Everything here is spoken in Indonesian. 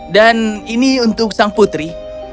dan ini untuk sang putri